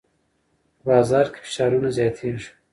په بازار کې فشارونه زیاتېږي.